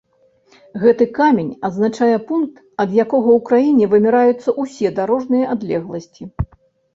Гэты камень адзначае пункт, ад якога ў краіне вымяраюцца ўсе дарожныя адлегласці.